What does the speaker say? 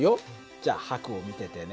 じゃあはくを見ててね。